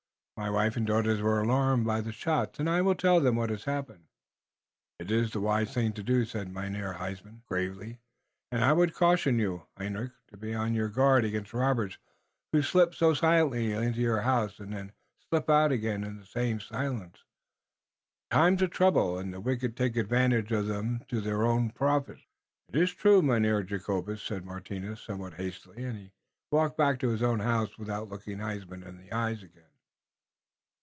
"My wife and daughters were alarmed by the shots, and I will tell them what has happened." "It iss the wise thing to do," said Mynheer Huysman, gravely, "und I would caution you, Hendrik, to be on your guard against robbers who slip so silently into your house und then slip out again in the same silence. The times are troubled und the wicked take advantage of them to their own profit." "It is true, Mynheer Jacobus," said Martinus somewhat hastily, and he walked back to his own house without looking Huysman in the eyes again.